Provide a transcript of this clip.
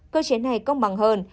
cơ chế này công bằng hơn